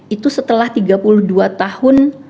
itu setelah tiga puluh dua tahun